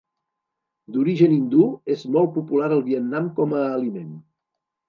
D'origen hindú, és molt popular al Vietnam com a aliment.